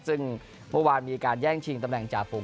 ซึ่งเมื่อวานมีการแย่งชิงตำแหน่งจ่าฝูง